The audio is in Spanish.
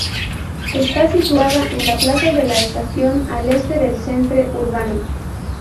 Está situada en la plaza de la Estación al este del centre urbano.